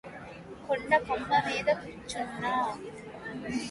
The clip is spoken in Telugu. కొండకొమ్ము మీద కూరుచున్న